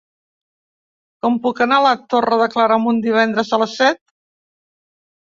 Com puc anar a la Torre de Claramunt divendres a les set?